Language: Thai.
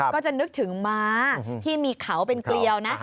ก็จะนึกถึงม้าที่มีเขาเป็นเกลียวนะ